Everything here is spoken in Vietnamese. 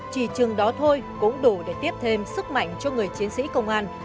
chỉ chừng đó thôi cũng đủ để tiếp thêm sức mạnh cho người chiến sĩ công an